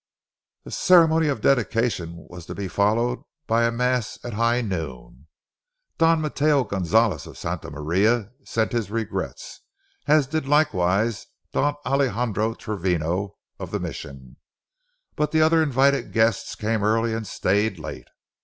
The ceremony of dedication was to be followed by mass at high noon. Don Mateo Gonzales of Santa Maria sent his regrets, as did likewise Don Alejandro Travino of the Mission, but the other invited guests came early and stayed late.